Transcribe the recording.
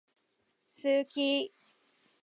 好き